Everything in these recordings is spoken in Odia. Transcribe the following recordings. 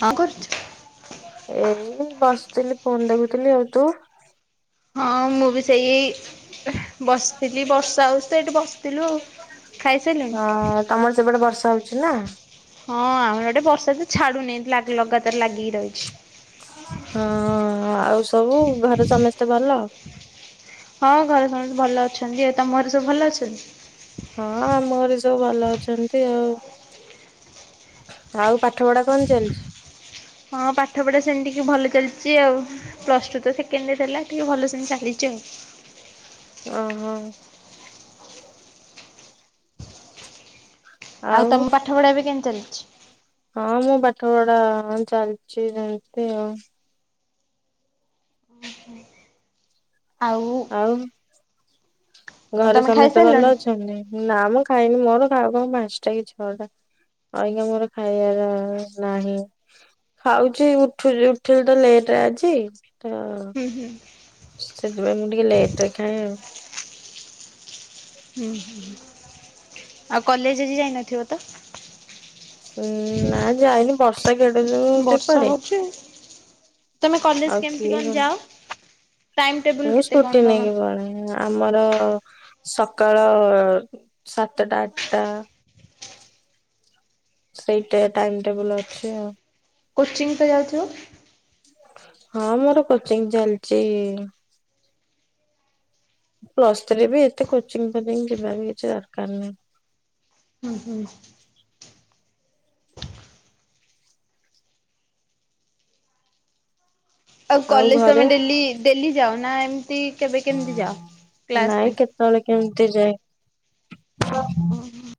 କଣ କରୁଛୁ? ଏଇ ବସିଥିଲି ଫୋନ ଦେଖୁଥିଲି ଆଉ ତୁ? ହଁ ମୁଁ ବି ସେଇ ବସିଥିଲି ବର୍ଷା ହେଉତ ଏଇଠି ବସିଥିଲୁ ଆଉ ହଁ ଖାଇସାରିଲଣି? ତମର ସେପଟେ ବର୍ଷା ହଉଛି ନା? ହଁ ଆମର ଆଡେ ବର୍ଷା ତ ଛାଡୁନହିଁ ଲଗାତାର ଲାଗିକି ରହିଛି। ହଁ ଆଉ ସବୁ ଘରେ ସମସ୍ତେ ଭଲ? ହଁ ଘରେ ସମସ୍ତେ ଭଲ ଅଛନ୍ତି ତମ ଘରେ ସବୁ ଭଲ ଅଛନ୍ତି? ହଁ ଆମ ଘରେ ସବୁ ଭଲ ଅଛନ୍ତି ଆଉ। ଆଉ ପାଠ ପଢା କଣ ଚାଲିଛି? ହଁ ପାଠ ପଢା ସେମିତିଟିକେ ଭଲ ଚାଲିଛି ଆଉ। ପ୍ଲସ ଟୁ ତ ସେଣ୍ଡ ହେଲା ଟିକେ ଭଲ ଚାଲିଚ। ଓ ହୋ। ଆଉ ତମ ପାଠ ପଢା ଏବେ କେିତି ଚାଲିଚି। ହଁ ମୁଁ ପାଠପଡା ଚାଲିଛି ଯେମିତି ଆଉ। ଆଉ। ଆଉ ଘରେ ତମେ ସମସ୍ତେ ଭଲ ଖାଇସାରିଲଣି? ଅଛନ୍ତି? ନା ମୁଁ ଖାଇନି ମୋର ଖାଉ ଖାଉ ପାଞ୍ଚଟା କି ଛଅ ଟା। ଆଜ୍ଞା ମୋର ଖାଇବାର ଅଭ୍ୟସ ନାହିଁ। ଖାଉଛି ଉଠୁଚି ଉଠିଵାଟା ଲେଟ୍ ଆଜି ଖାଇବା। ଉଁ ହୁଁ। ସେଥିପାଇଁ ମୁଁ ଟିକେ ଲେଟ ରେ ଖାଏ ଆଉ। ହୁଁ ହୁଁ। ଆଉ କଲେଜ ଜି ଯାଇ ନଥିବ ତ। ସେ ନା ଯାଇନି ବର୍ଷା କେଡୁ ଯ ବର୍ଷା ସେପଡେ ହଉଛି ଆଉ। ତମେ କଲେଜ ଆଉ କେମିତି କିଏ କଣ କ ଯାଅ? ଟାଇମ ଟେବୁଲ ମୁଁ କେତେ ସ୍କୁଟି କଣ ତମର? ନେଇକି ପଳାଏ। ଆମର ସକାଳ ସାତଟା ଆଠଟା ସେଇ ଟେ ଟାଇମ ଟେବୁଲ ଅଛି ଆଉ। କୋଚିଂ ତ ଯାଉଥିବ। ହଁ ମୋର କୋଚିଂ ଚାଲିଚି ପ୍ଲସ୍ ଥ୍ରୀ ବି ଏତେ କୋଚିଂ ଫୋଚିଂ ଯିବା ର କିଛି ଦରକାର ନାହିଁ। ହୁଁ ହୁଁ। ଆଉ କଲେଜ ତମେ ଡେଲି ଡେଲି ଯାଅ ନା ଏମତି କେବେ କେମିତି ଯାଅ କ୍ଲାସ ପାଇଁ। କେତଳେ କେମିତି ଯାଏ। ଓହୋ।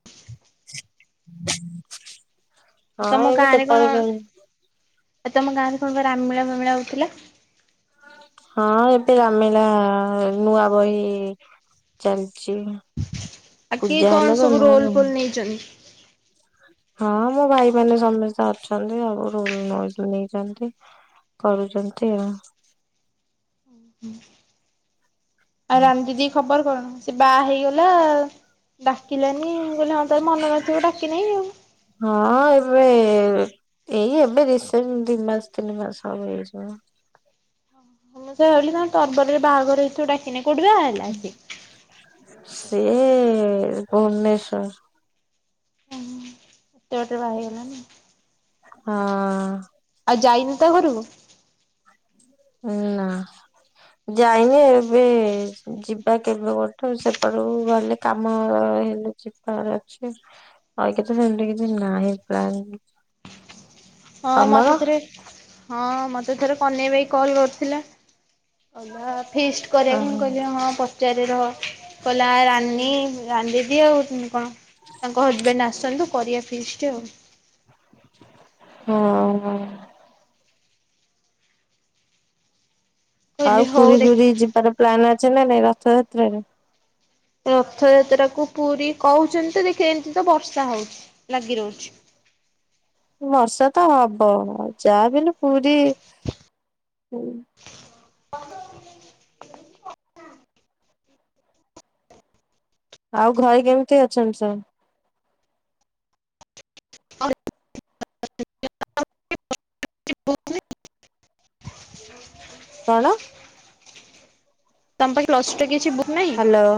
[inaudible] ହଁ ତମ ଏମତି କେତେବେଳେ କେମୀ ଆ ତମ ଗାଁରେ କଣ ରାମିଳା ଫାମିଳା ହଉଥିଲା। ହଁ ଏବେ ରାମିଲା ନୂଆ ବହି ଚାଲିଚ ଆଉ କିଏ ପୂଜା କଣ ହେଲା ବା ସବୁ ନୁଆ ବହି। [inaudible] ହଁ ମୋ ଭାଇ ମାନ ସମସ୍ତେ ଅଛନ୍ତି ଆଉ ରୁମ୍ ନୋଉ ନେଇଛନ୍ତି। କରୁଚନ୍ତି ଆଉ। ହୁଁ। ଆଉ ରାନ୍ ଦିଦି ଖବର କଣ ସେ ବାହା ହେଇଗଲା? ଡାକିଲାନି ମୁ କହିଲି ହଁ ତାର ମନ ନଥିବ ଡାକି ନାହିଁ ଆଉ? ହଁ ଏବେ ଏଇ ଏବେ ରିସେଣ୍ଟ ଦି ମାସ ତିନି ମାସ ସବ ଏଇଚି ମ? ମୁଁ ସେ ଭାଲି ତରତର ରେ ବାହାଘର ହେଥ ଡାକିନେ କୋଉଠି ସେ ବାଆ ହେଲା ଆସି ସେ ଭୁବନେଶ୍ଵର। ଜଟେ ବାହେଇ ଗଲା ହଁ। ଆଉ ଯାଇନୁ ତା ଘରୁକୁ। ହୁଁ ନା। ଯାଇନି ଏବେ ଯିବା କେବେ ଗୋଟେ ସେପଟକୁ ଗଲେ। କାମ ହେଲେ ଯିବାର ଅଛି। ଆଇ କେତେ ସେମିତି କିଛି ନାହିଁ ପ୍ଲାନ୍। ହଁ ତମର ମତେତେରେ ହଁ ମତେ ଥରେ କନେଇ ଭାଇ କଲ୍ କରିଥିଲା କହିଲା ଫିଷ୍ଟ କରିବାକୁ ମୁଁ ଓହୋ କହିଲେ ହଁ ପଚାରେ ରହ କଇଲା ରାନି ରାନ୍ ଦିଦି ଆଉ କଣ ତାଙ୍କ ହଜବେଣ୍ଡ ଆସନ୍ତୁ କରିବା ଫିଷ୍ଟ ଆଉ। ହଁ ହଁ। କହିଲି ଆଉ ହଉ ପୁରୀ ଦେଖି ଫୁରି ଯିବାର ପ୍ଲାନ୍ ଅଛି ନା ନାଇଁ ରଥଯାତ୍ରାରେ। ରଥଯାତ୍ରା କୁ ପୁରୀ କହୁଚନ୍ତି ତ ଦେଖ ଏମିତି ତ ବର୍ଷା ହଉଚି ଲାଗି ରହୁଚି। ବର୍ଷା ତ ହବ ଯାହା ବି ହେଲେ ପୁରୀ [inaudible] ଆଉ ଘରେ କେମିତି ଅଛନ୍ତି ସଵ୍। [unintelligible] [inaudible] କଣ ତମ ପାଖେ ପ୍ଲସଟୁ କିଛି ବହି ନାହିଁ ହ୍ୟାଲୋ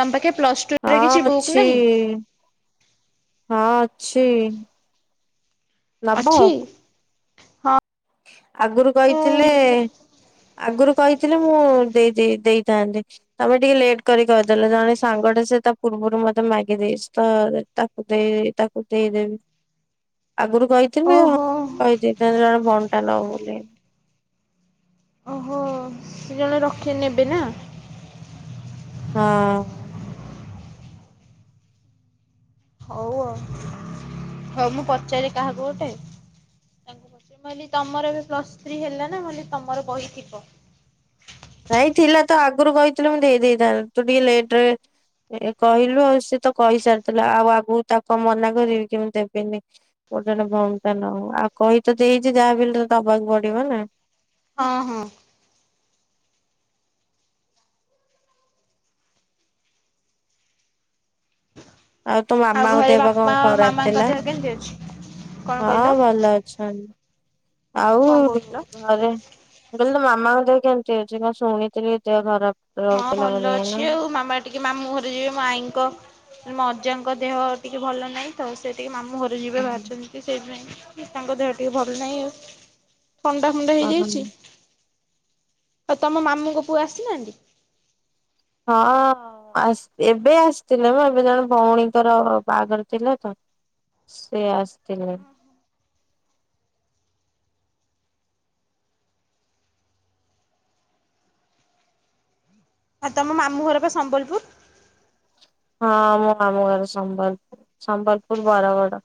ତମ ପାଖେ ପ୍ଲସ ଟୁ ହଁ ରେ କିଛି ବୁକ୍ ଅଛି। ନାହିଁ ହଁ ଅଛି ନବୁ ଅଛି ହଁ ଆଗରୁ କହିଥିଲେ ମୁଁ ଆଗରୁ କହିଥିଲେ ମୁଁ ଦେଇ ଦେଇ ଦେଇଥାନ୍ତି। ତମେ ଟିକେ ଲେଟ୍ କରି କହିଦେଲେ ଜଣେ ସାଙ୍ଗଟେ ସେ ତା ପୂର୍ବରୁ ମତେ ମାଗି ଦେଇଛି ତ। ତାକୁ ଦେଇ ତାକୁ ଦେଇଦେବି ଆଗରୁ କହି [unintelligible] ଓହୋ ଯେତେବେଳେ ଜଣେ ବଣ୍ଟା ନ ବୋଲି ଓହୋ ସେ ଜଣେ ରକ୍ଷି ନେବେ ନା ହଁ ହଉ ଆଉ ହଉ ମୁଁ ପଚାରି କାହାକୁ ଗୋଟେ। ତାଙ୍କୁ କହି ତମର ବି ପ୍ଲସ୍ ଥ୍ରୀ ହେଲା ନା ମୁଁ କହିଲି ତମର ବହି ଥିବ ନାଇ ଥିଲା ତ ଆଗରୁ କହିଥିଲ ମୁଁ ଦେଇ ଦେଇଥାନ୍ତ ତୁ ଟିକେ ଲେଟ ରେ ଏ କହିଲୁ ଆଉ ସିଏ ତ କହିସାରିଥିଲା ଆଉ ଆଗକୁ ତାକୁ ଆଉ ମନା କରିବି କି ମୁଁ ଦେବିନି। ଗୋଟେଟେ ବଣ୍ଟ ନଉ ଆଉ କହି ତ ଦେଇଛି ଯାହା ଫିଲରେ ଦବାକୁ ପଡିବ ନା ହଁ ହଁ ଆଉ ତୋ ମାମାଙ୍କ ଘରେ ଦେହ ପା ବାପା କଣ ଖରାପ ମାମାଙ୍କ ଥିଲା। ଦେହ କେମିତି ଅଛି? କଣ ହଁ କହିଲ ଭଲ ଅଛନ୍ତି। ଆଉ କଣ କହୁଥିଲ? ଘରେ ମୁ କହିଲି ତ ମାମାଙ୍କ ଦେହ କେମତି ଅଛି କଣ ଶୁଣିଥିଲି ଦେହ ଖରାପ। ହଁ ରହୁଥିଲା ଭଲ ବୋଲି ଏଇନା। ଅଛି ଆଉ ମାମା। ଟିକେ ମାମୁଁ ଘରେ ଯିବେ ମୋ ଆଈଙ୍କ ମୋ ଅଜାଙ୍କ ଦେହ ଟିକେ ଭଲ ନାହିଁ ତ ସେ ଟିକେ ମାମୁଁ ଘର କୁ ଯିବେ ଓହୋ ବାହାରିଛନ୍ତି ସେଇଥିପାଇ ତାଙ୍କ ଦେହ ଟିକେ ଭଲ ନାହିଁ ଆଉ। ଥଣ୍ଡା ଫଣ୍ଡା ହେଇଯାଇଛି। ହଁ। ଆଉ ତମ ମାମୁଙ୍କ ପୁଅ ଆସିନାହାନ୍ତି। ହଁ ଆଶ୍ ଏବେ ଆସିଥିଲେ ମୁଁ ଏବେ ଜଣେ ଭଉଣୀଙ୍କର ବାହାଘର ଥିଲା ତ। ସେ ଆସିଥିଲେ। ଆଉ ତମ ମାମୁ ଘର ବା ସମ୍ବଲପୁର। ହଁ ମୋ ମାମୁ ଘର ସମ୍ବଲପୁର ସମ୍ବଲପୁର ବରଗଡ।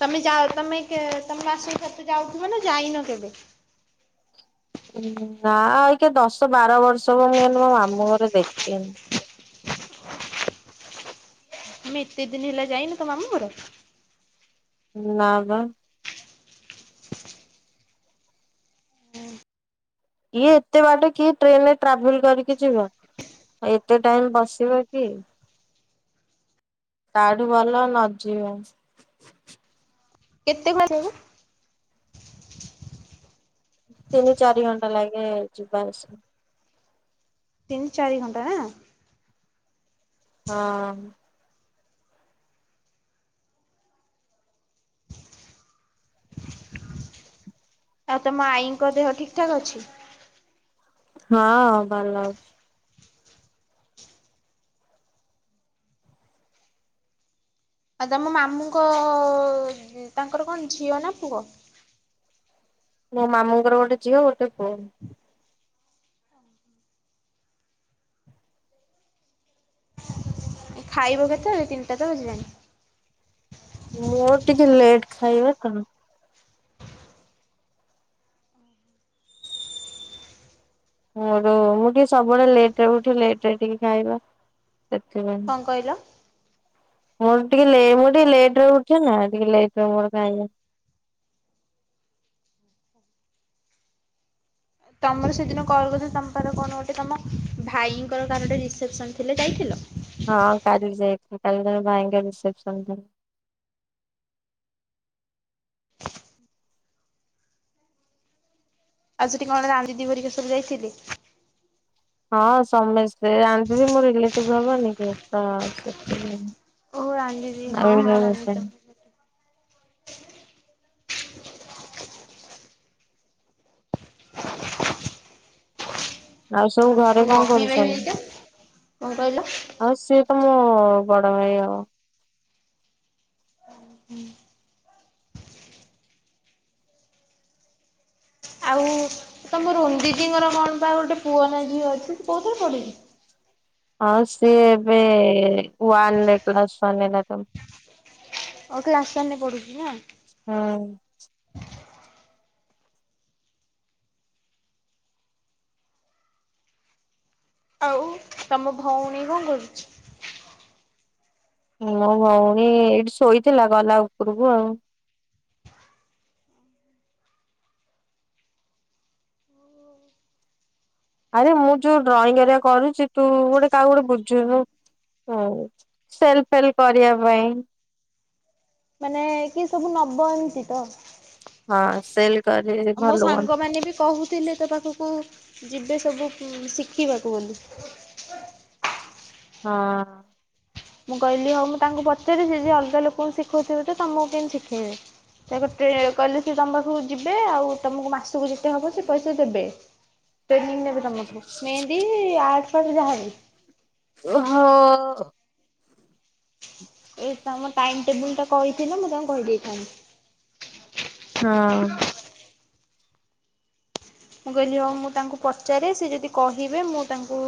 ତମେ ଯାଅ ତମେ କେ ତମ ଆସ କେତେ ଯାଉଥିବ ନା ଯାଇନ କେବେ। ନା ଆ ଆଉ କିଏ ଦଶ ବାର ବର୍ଷ ମୁ ମୁ ମୋ ମାମୁଁ ଘର ଦେଖେନି। ତମେ ଏତେ ଦିନ ହେଲା ଯାଇନ ତ ମାମୁ ଘର ନା ବା ଇଏ ଏତେ ବାଟ କିଏ ଟ୍ରେନ ରେ ଟ୍ରାଭେଲ କରିକି ଯିବ ଆ ଏତେ ଟାଇମ ବସିବ କିଏ ତାଠୁ ଭଲ ନ ଯିବା କେତେ ଖ ନେମି ତିନି ଚାରି ଘଣ୍ଟା ଲାଗେ ଯିବା ଆସିବା ତିନି ଚାରି ଘଣ୍ଟା ନା ହଁ ଆଉ ତମ ଆଈଙ୍କ ଦେହ ଠିକ୍ ଠାକ ଅଛି। ହଁ ଭଲ ଅଛି। ଆଉ ତମ ମାମୁଙ୍କ ତାଙ୍କର କଣ ଝିଅ ନା ପୁଅ। ମୋ ମାମୁଁଙ୍କର ଗୋଟେ ଝିଅ ଗୋଟେ ପୁଅ ଖାଇବ କେତେବେଳେ ତିିନିଟା ତ ବାଜିଲାଣିି। ମୋର ଟିକେ ଲେଟ୍ ଖାଇବା ତ। ମୋର ମୁଁ ଟିକେ ସବୁବେଳେ ଲେଟରେ ଉଠି ଲେଟ ରେ ଟିକେ ଖାଇବା ସେଥିପାଇଁ। କଣ କହିଲ। ମୋର ଟିକେ ଲେ ମୁଁ ଟିକେ ଲେଟରେ ଉଠେ ନା ଟିକେ ଲେଟରେ ମୋର ଖାଇବା। ତମର ସେଦିନ କଲ କରିଥିଲ ତମ ପା କଣ ଗୋଟେ ତମ ଭାଇଙ୍କର କାହାର ଗୋଟେ ରିସେପସନ ଥିଲେ ଯାଇଥିଲ। ହଁ କାଲି ଯାଇଥିଲି କାଲି ଜଣେ ଭାଇଙ୍କର ରିସେପସନ୍ ଥିଲା। ଆଉ ସେଟି କଣ ରାନ୍ ଦି ଦି ହେରିକା ସବୁ ଯାଇଥିଲେ। ହଁ ସମେସ୍ତେ ରାନୁ ଦିଦି ମୋ ରିଲେଟିଭ ହବନି କି ତ ଓହୋ ରାନୀ ଦିଦି ସେଥିଲାଗି ହଁ ଆଉ ହଁ [unintelligible] ରାନୀ ସେ ଦିଦି। [inaudible] ଆଉ ସବୁ ଘରେ ଆଉ କଣ ଅଭି ଭାଇ କରୁଚନ୍ତି? ହେରିକା କଣ କହିଲ ଆଉ ସିଏ ପା ମୋ ବଡ ଭାଇ ହବ। ହୁଁ। ଆଉ ତମ ରୁନ ଦିଦିଙ୍କର କଣ ପା ଗୋଟେ ପୁଅ ନା ଝିଅ ଅଛି ସେ କୋଉଥରେ ପଢୁଚି? ହଁ ସିଏ ଏବେ ୱାନ ରେ କ୍ଲାସ ୱାନ ରେ ହେଲା ତାର। ଓ କ୍ଲାସ ୱାନରେ ପଢୁଛି ନା। ହୁଁ। ଆଉ ତମ ଭଉଣୀ କଣ କରୁଛି? ମୋ ଭଉଣି ଏଇଠି ଶୋଇଥିଲା ଗଲା ଉପରକୁ ଆଉ। ଆରେ ମୁଁ ଯୋଉ ଡ୍ରଇଂ ହେରିକା କରୁଛି ତୁ ଗୋଟେ କାହାକୁ ଗୋଟେ ବୁଝୁନୁ ହଉ ବୁଝିବି, ସେଲ୍ ଫେଲ୍ କରିବା ପାଇଁ। ମାନେ କିଏ ସବୁ ନବ ଏମିତି ତ? ହଁ ସେଲ କରି ମୋ ଭଲ ହୁଅନ୍ତା। ସାଙ୍ଗମାନେ ବି କହୁଥିଲେ ତୋ ପାଖକୁ କୁ ଯିବେ ସବୁ ଉଁ ଶିଖିବାକୁ ବୋଲି। ହଁ। ମୁଁ କହିଲି ହଉ ମୁଁ ତାଙ୍କୁ ପଚାରେ ସେ ଯଦି ଅଲଗା ଲୋକଙ୍କୁ ଶିଖଉଥିବେ ତ ତମକୁ କେମିତି ଶିଖେଇବେ। ତାକୁ ଟ୍ରେ କହିଲେ ସେ ତୁମ ପାଖକୁ ଯିବେ, ଆଉ ତୁମକୁ ମାସକୁ ଯେତେ ହେବ ସେ ପଇସା ଦେବେ। [inaudible] ଟ୍ରେନିଂ ନେବେ ତମଠୁ ମେହେନ୍ଦି ଆଟ ଫାଟ ଯାହାବି। ଓହୋ। ଏ ତମ ଟାଇମ ଟେବୁଲ ଟା କହିଥିଲା ମୁଁ କାଙ୍କୁ କହିଦେଇଥାନ୍ତି। ହଁ। ମୁଁ କହିଲି ହଉ ମୁଁ ତାଙ୍କୁ ପଚାରେ ସେ ଯଦି କହିବେ ମୁଁ ତାଙ୍କୁ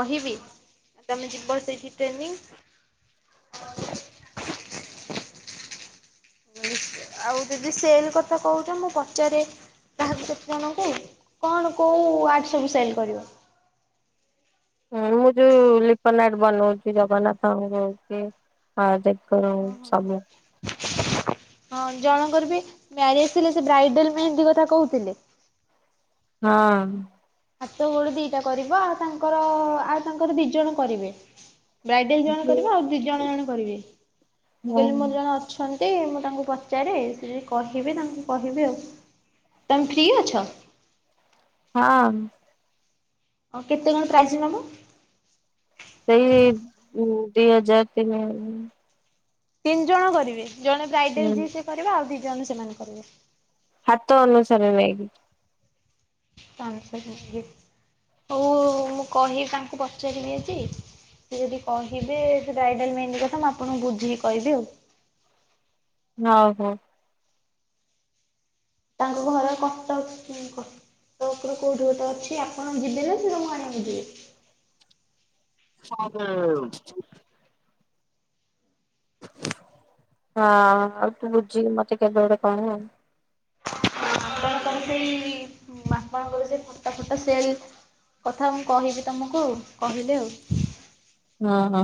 କହିବି। ତମେ ଯିବ ସେଇଠି ଟ୍ରେନିଂ। ଆଉ ଯଦି ସେଲ କଥା କହୁଛ ମୁଁ ପଚାରେ କାହାକୁ କେତେ ଜଣଙ୍କୁ କଣ କୋଉ ଆଟ ସବୁ ସେଲ୍ କରିବ। ମୁଁ ଯୋଉ ଲିପନାଟ ବନଉଛି ଜଗନ୍ନାଥ ଙ୍କ [unintelligible] ଆ ଦେକ ର ହଁ ହଁ ହଁ ସବୁ। ହଁ ଜଣଙ୍କର ବି ମ୍ୟାରେଜ ଥିଲା ସେ ବ୍ରାଇଡଲ ମେହନ୍ଦୀ କଥା କହୁଥିଲେ। ହଁ। ହାତ ଗୋଡ ଦିଟା କରିବ ଆଉ ତାଙ୍କର ଆଉ ତାଙ୍କର ଦି ଜଣ କରିବେ। ବ୍ରାଇଡାଲ ଜଣେ କରିବ ଆଉ ଦି ଜଣ ଜଣେ କରିବେ। ମୁଁ ହଁ କହିଲି ମୋର ଜଣେ ଅଛ ଅଛନ୍ତି ମୁଁ ତାଙ୍କୁ ପଚାରେ, ସେ ଯଦି କହିବେ ତାଙ୍କୁ କହିବି ଆଉ। ତମେ ଫ୍ରି ଅଛ? ହଁ। ଆଉ କେତେ କଣ ପ୍ରାଇସ୍ ନବ? ସେଇ ଉଁ ଦି ହଜାର ତିନି ହଜା ତିନି ଜଣ କରିବେ ଜଣେ ହୁଁ ବ୍ରାଇଡାଲ୍ ଯିଏ ସିଏ କରିବ ଆଉ ଦି ଜଣ ସେମାନେ କରିବେ। ହାତ ଅନୁସାରେ ନେଇକି। ହଉ ମୁଁ କହିି ତାଙ୍କୁ ପଚାରିବି ଆଜି। ସେ ଯଦି କହିବେ ସେ ବ୍ରାଇଡାଲ୍ ମେହେନ୍ଦି କଥା ମୁଁ ଆପଣଙ୍କୁ ବୁଝିକି କହିବି ଆଉ। ନ ହୋଉ। ତାଙ୍କ ଘର କଟକ ଲିଙ୍କୋ। ତକରୁ କୋଉଠି ଗୋଟେ ଅଛି ଆପଣ ଯିବେ ନାଁ ସେ ତମୁକୁ ଆଣିବାକୁ ଯିବେ? ହଁ ଯେ [unintelligible] ହଁ ଆଉ ତୁ ବୁଝିକି ମତେ କେବେ ଗୋଟେ କହ। ଆଉ କଣ ତମେ ସେଇ ଆପଣଙ୍କର ସେ ଫଟା ଫଟା ସେଲ୍ କଥା ମୁଁ କହିବି ତମୁକୁ ଆଉ କହିଲେ ଆଉ। ହଁ ହଁ।